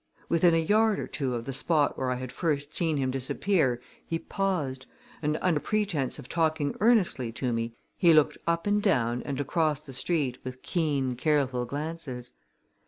Within a yard or two of the spot where I had first seen him disappear he paused, and under pretense of talking earnestly to me he looked up and down and across the street with keen, careful glances.